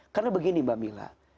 karena begini mbak mila